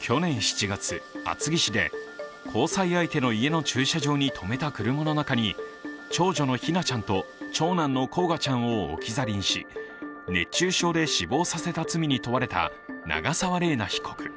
去年７月、厚木市で交際相手の家の駐車場に止めた車の中に長女の姫梛ちゃんと長男の煌翔ちゃんを置き去りにし熱中症で死亡させた罪に問われた長沢麗奈被告。